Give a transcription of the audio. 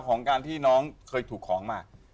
ของการที่น้องเคยถูกของมา